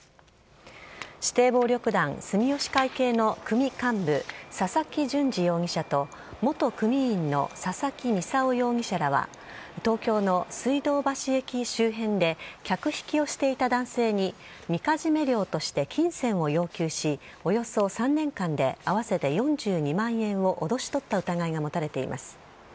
指定暴力団住吉会系の組幹部、佐々木淳二容疑者と、元組員の佐々木操容疑者らは、東京の水道橋駅周辺で、客引きをしていた男性にみかじめ料として金銭を要求し、およそ３年間で、合わせて４２万円を脅し取った疑いが持たれています。